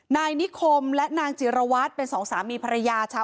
นายนิคมและนางจิรวัตรเป็นสองสามีภรรยาชาว